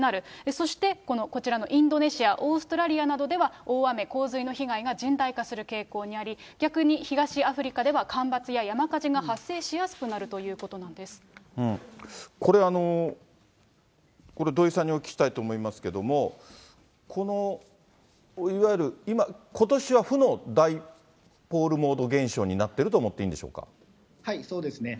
そして、このこちらのインドネシア、オーストラリアなどでは大雨、洪水の被害が甚大化する傾向にあり、逆に東アフリカでは干ばつや山火事が発生しやすくなるということこれ、土井さんにお聞きしたいと思いますけれども、このいわゆる今、ことしは負のダイポールモード現象になってると思っていいんでしそうですね。